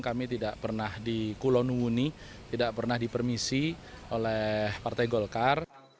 kami tidak pernah di kulonuni tidak pernah dipermisi oleh partai golkar